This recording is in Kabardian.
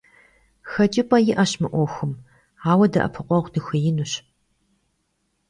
Хэкӏыпӏэ иӏэщ мы ӏуэхум, ауэ дэӏэпыкъуэгъу дыхуеинущ.